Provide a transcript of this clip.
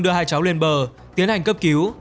đưa hai cháu lên bờ tiến hành cấp cứu